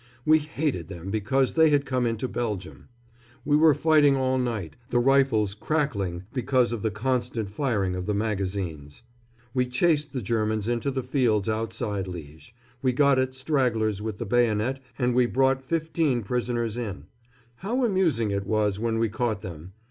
We hated them because they had come into Belgium. We were fighting all night, the rifles crackling because of the constant firing of the magazines. We chased the Germans into the fields outside Liège. We got at stragglers with the bayonet, and we brought fifteen prisoners in. How amusing it was when we caught them!